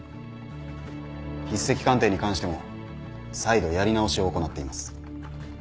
筆跡鑑定に関しても再度やり直しを行っています。